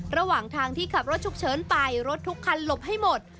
ระหว่างทางที่ขับรถฉุกเฉินไปรถทุกคันหลบให้หมด